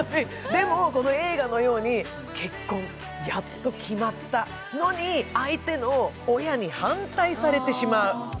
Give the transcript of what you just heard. でも、この映画のように、結婚がやっと決まったのに、相手の親に反対されてしまう。